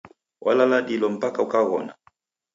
Walala dilo mpaka ukaghona.